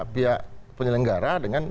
pihak penyelenggara dengan